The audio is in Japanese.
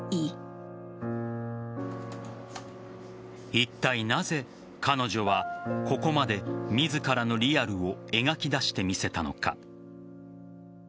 いったいなぜ彼女は、ここまで自らのリアルを描き出してみせたのか。